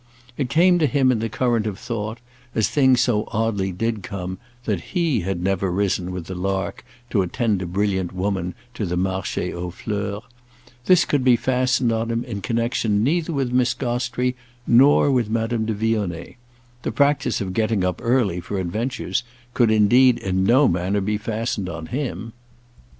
It came to him in the current of thought, as things so oddly did come, that he had never risen with the lark to attend a brilliant woman to the Marché aux Fleurs; this could be fastened on him in connexion neither with Miss Gostrey nor with Madame de Vionnet; the practice of getting up early for adventures could indeed in no manner be fastened on him.